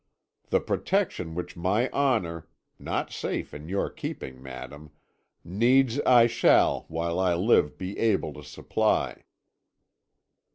The protection which my honour not safe in your keeping, madam needs I shall while I live be able to supply.'